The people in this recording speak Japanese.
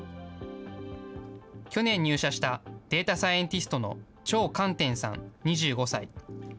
去年入社したデータサイエンティストの張瀚天さん２５歳。